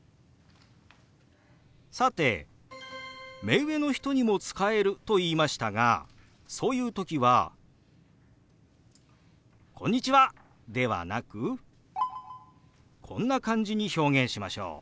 さて目上の人にも使えると言いましたがそういう時は「こんにちは！」ではなくこんな感じに表現しましょう。